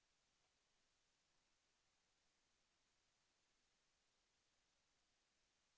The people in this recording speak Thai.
โอเคโอเคโอเค